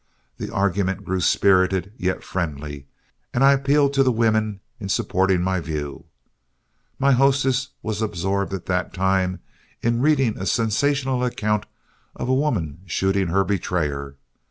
The argument grew spirited yet friendly, and I appealed to the women in supporting my view. My hostess was absorbed at the time in reading a sensational account of a woman shooting her betrayer.